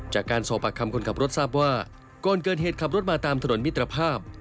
จากการสอบปากคำคนขับรถทราบว่าก่อนเกิดเหตุขับรถมาตามถนนมิตรภาพ